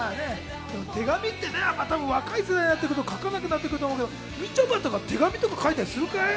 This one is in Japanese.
手紙って若い世代、書かなくなってくると思うけど、みちょぱとか手紙書いたりするかい？